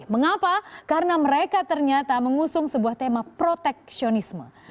mengapa karena mereka ternyata mengusung sebuah tema proteksionisme